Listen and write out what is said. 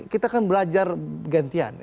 kita kan belajar gantian